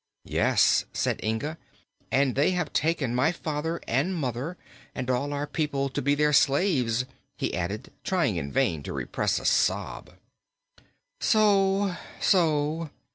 "Yes," said Inga, "and they have taken my father and mother, and all our people, to be their slaves," he added, trying in vain to repress a sob. "So so!"